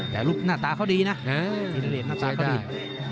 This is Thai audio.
แต่รูปหน้าตาเขาดีนะธิรเดชหน้าตาเขาดี